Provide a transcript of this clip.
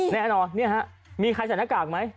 แน่นอนเนี่ยฮะมีใครใส่หน้ากากไหม